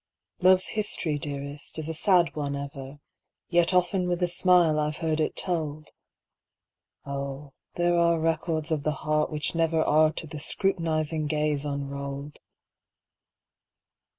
Love's history, dearest, is a sad one ever, Yet often with a smile I've heard it told! Oh, there are records of the heart which never Are to the scrutinizing gaze unrolled!